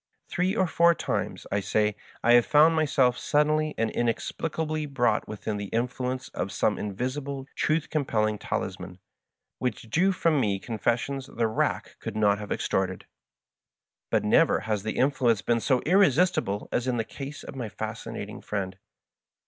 Three or four times, I say, have I found myself suddenly and inexplicably brought within the influence of some inyisible truth compelling talisman^ which drew from me confessions the rack could not have extorted ; but never has the influence been so irresistible as in the case of my Fascinating Friend.